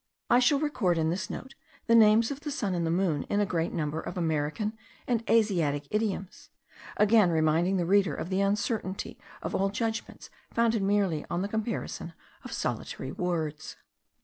I shall record in this note the names of the sun and moon in a great number of American and Asiatic idioms, again reminding the reader of the uncertainty of all judgments founded merely on the comparison of solitary words.